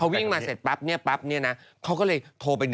เขาวิ่งมาเสร็จปั๊บนี้ปั๊บนี้นะเขาก็เลยโทรไป๑๙๑๑๙๑๑๙๑